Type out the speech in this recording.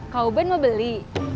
kak ubed mau beli